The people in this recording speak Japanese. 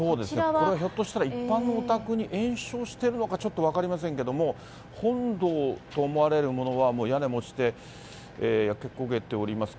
これはひょっとしたら、一般のお宅に延焼してるのか、ちょっと分かりませんけれども、本堂と思われるものは、もう屋根も落ちて、焼け焦げております。